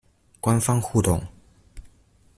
官方互動